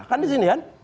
kan di sini kan